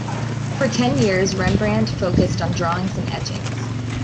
For ten years Rembrandt focused on drawings and etchings.